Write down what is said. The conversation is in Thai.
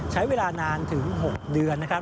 ใช้เวลานานถึง๖เดือนนะครับ